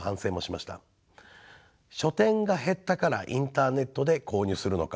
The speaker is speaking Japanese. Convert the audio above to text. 書店が減ったからインターネットで購入するのか。